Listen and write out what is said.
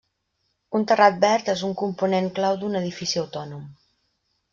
Un terrat verd és un component clau d'un edifici autònom.